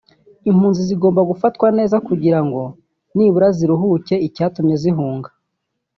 Impunzi zigomba gufatwa neza kugira ngo nibura ziruhuke icyatumye zihunga